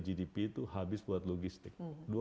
gdp itu habis buat logistik